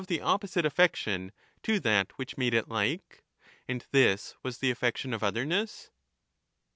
the opposite affection to that which made it like ; and this was the affection of otherness.